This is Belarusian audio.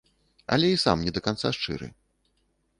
Але і сам не да канца шчыры.